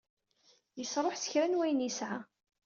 Yesṛuḥ s kra n wayen i yesɛa.